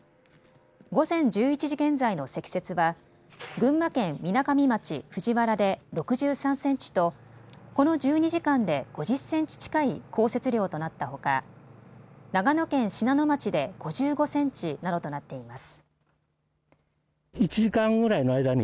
午前１１時現在の積雪は群馬県みなかみ町藤原で６３センチとこの１２時間で５０センチ近い降雪量となったほか長野県信濃町で５５センチなどとなっています。